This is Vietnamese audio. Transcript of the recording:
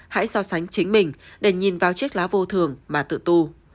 hãy so sánh chính mình để nhìn vào chiếc lá vô thường mà tự tu